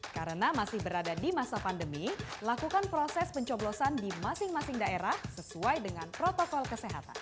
karena masih berada di masa pandemi lakukan proses pencoblosan di masing masing daerah sesuai dengan protokol kesehatan